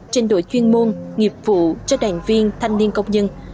trên đội chuyên môn nghiệp vụ cho đàn viên thanh niên công nhân